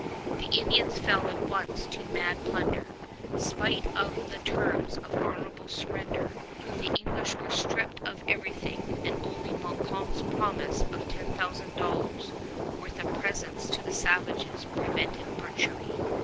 The Indians fell at once to mad plunder. Spite of the terms of honorable surrender, the English were stripped of everything, and only Montcalm's promise of $10,000 worth of presents to the savages prevented butchery.